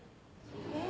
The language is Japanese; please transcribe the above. ・えっ